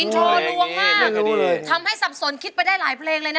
ทำให้สับสนคิดไปได้หลายเพลงเลยนะ